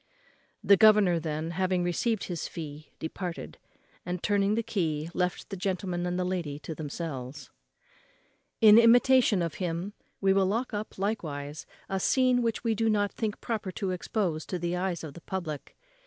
The governor, then, having received his fee, departed; and, turning the key, left the gentleman and the lady to themselves. In imitation of him we will lock up likewise a scene which we do not think proper to expose to the eyes of the public.